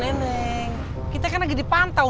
nedeng kita kan lagi dipan